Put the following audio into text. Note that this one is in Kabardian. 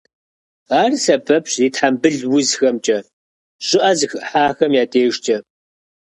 Ар сэбэпщ зи тхьэмбыл узхэмкӏэ, щӏыӏэ зыхыхьахэм я дежкӏэ.